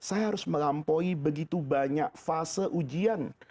untuk melampaui begitu banyak fase ujian